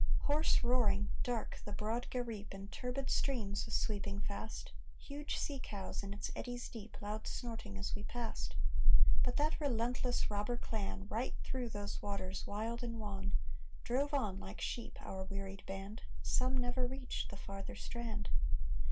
"Hoarse roaring, dark, the broad Gareep In turbid streams was sweeping fast, Huge sea cows in its eddies deep Loud snorting as we passed; But that relentless robber clan Right through those waters wild and wan Drove on like sheep our wearied band: Some never reached the farther strand.